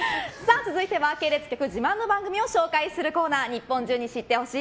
続いては系列局自慢の番組を紹介するコーナー日本中に知って欲しい！